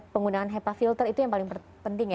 penggunaan hepa filter itu yang paling penting ya